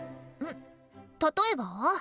例えば？